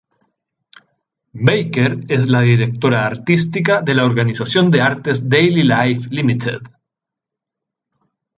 Baker es la directora artística de la organización de artes Daily Life Ltd.